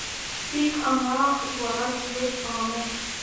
Ик аҥа утларак лиеш ала-мо.